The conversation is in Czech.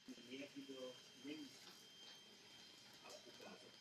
Maják je pro veřejnost uzavřen.